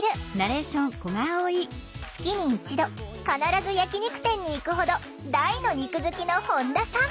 月に一度必ず焼き肉店に行くほど大の肉好きの本田さん！